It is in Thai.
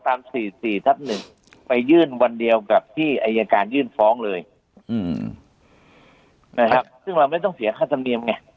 ตาม๔๔๑ไปยื่นวันเดียวกับที่อัยการยื่นฟ้องเลยซึ่งเราไม่ต้องเสียค่าธรรมเนียมไง